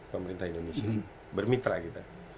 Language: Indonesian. pemerintah indonesia bermitra kita